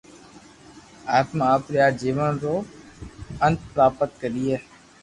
آتما آپري آ جيون رو انت پراپت ڪري